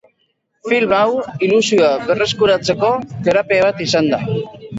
Film hau ilusioa berreskuratzeko terapia bat izan da.